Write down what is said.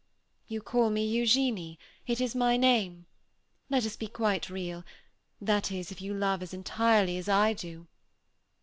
"You call me Eugenie, it is my name. Let us be quite real; that is, if you love as entirely as I do."